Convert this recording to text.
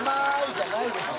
じゃないですよ。